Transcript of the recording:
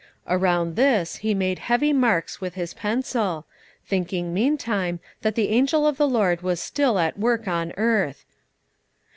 Around this he made heavy marks with his pencil, thinking, meantime, that the angel of the Lord was still at work on earth.